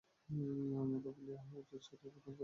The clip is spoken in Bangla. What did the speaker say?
মত বলিয়া উচ্চৈ স্বরে রোদন করিতে লাগিল।